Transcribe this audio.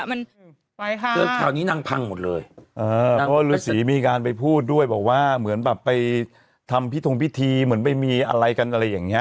มันไปค่ะคราวนี้นางพังหมดเลยเออเพราะฤษีมีการไปพูดด้วยบอกว่าเหมือนแบบไปทำพิธงพิธีเหมือนไปมีอะไรกันอะไรอย่างเงี้